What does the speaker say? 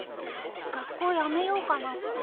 学校やめようかなって。